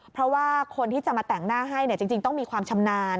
เพราะว่าคนที่จะมาแต่งหน้าให้จริงต้องมีความชำนาญ